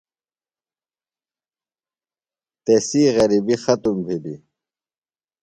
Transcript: تسی غربیۡ ختم بِھلیۡ۔